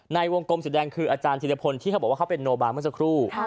ในวงกลมสีแดงคืออาจารย์ธิรพลที่เขาบอกว่าเขาเป็นโนบาเมื่อสักครู่